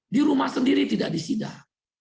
di rumah sendiri tidak disidah